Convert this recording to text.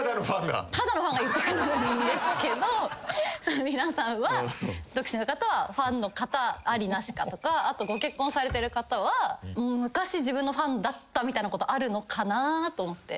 ただのファンが言ってくるんですけど皆さんは独身の方はファンの方ありなしかとかあとご結婚されてる方は昔自分のファンだったみたいなことあるのかな？と思って。